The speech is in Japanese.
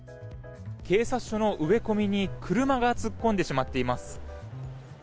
警察署の植え込みに車が突っ込んでしまっています。